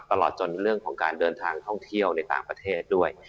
ตลอดจนเรื่องของการเดินทางท่องเที่ยวในต่างประเทศด้วย